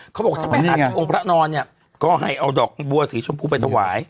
เขาบอกถ้าไปหาถึงองค์พระนอนเนี่ยก็ให้เอาดอกบัวสีชมพูไปถวาย